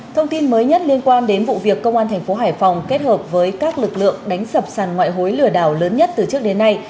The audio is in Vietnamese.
thông tin mới nhất liên quan đến vụ việc công an thành phố hải phòng kết hợp với các lực lượng đánh sập sàn ngoại hối lừa đảo lớn nhất từ trước đến nay